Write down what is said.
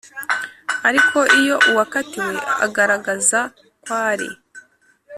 Ariko iyo uwakatiwe agaragaza ko ari